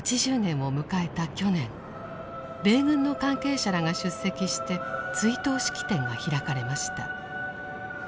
去年米軍の関係者らが出席して追悼式典が開かれました。